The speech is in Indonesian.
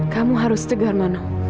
kamu harus tegar mano